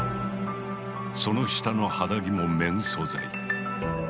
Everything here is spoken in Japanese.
その下の肌着も綿素材。